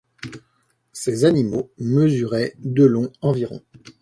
Ces animaux mesuraient de long environ.